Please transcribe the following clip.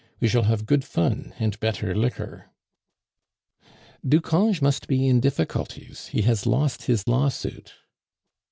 We shall have good fun and better liquor." "Ducange must be in difficulties. He has lost his lawsuit."